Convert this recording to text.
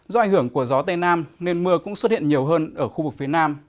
do ảnh hưởng của gió tây nam nên mưa cũng xuất hiện nhiều hơn ở khu vực phía nam